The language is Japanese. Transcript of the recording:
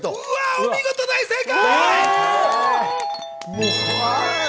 お見事、大正解！